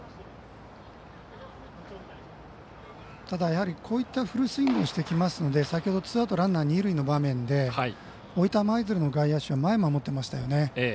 ただ、こういったフルスイングをしてきますので先ほどツーアウトランナー、二塁の場面で大分舞鶴の外野手は前を守っていましたよね。